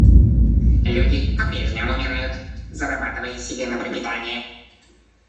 Люди по-прежнему умирают, зарабатывая себе на пропитание.